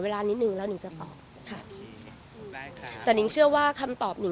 แล้วหนิงจะตอบ